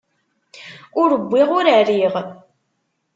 Ur wwiɣ ur rriɣ.